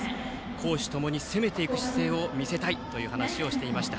攻守ともに攻めていく姿勢を見せたいと話していました。